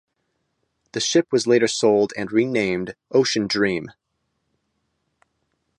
The ship was later sold and renamed "Ocean Dream".